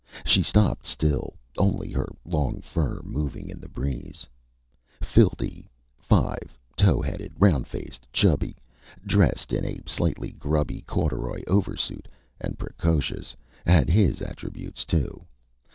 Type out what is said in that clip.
She stopped still, only her long fur moving in the breeze. Phildee five, towheaded, round faced, chubby, dressed in a slightly grubby corduroy oversuit, and precocious had his attributes, too.